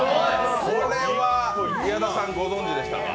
これは矢田さん、ご存じでしたか？